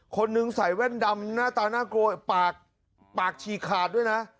คนนึงใส่แว่นดำหน้าตาน่ากลัวปากปากฉีกขาดด้วยนะ